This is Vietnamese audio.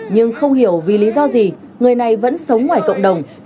nhưng không hiểu vì lý do gì người này vẫn sống ngoài cộng đồng